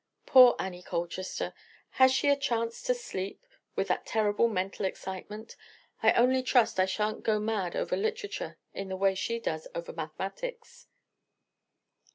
Poor Annie Colchester—has she a chance to sleep with that terrible mental excitement? I only trust I shan't go mad over literature in the way she does over mathematics."